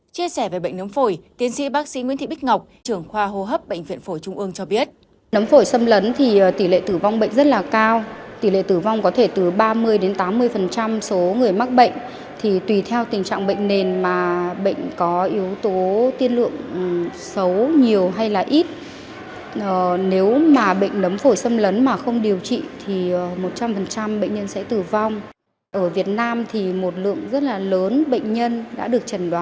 chia sẻ về bệnh nấm phổi tiến sĩ bác sĩ nguyễn thị bích ngọc trưởng khoa hô hấp bệnh viện phổi trung ương cho biết